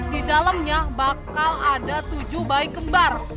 di dalamnya bakal ada tujuh bayi kembar